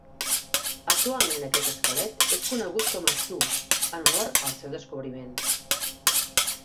Actualment, aquest esquelet és conegut com a "Sue" en honor al seu descobriment.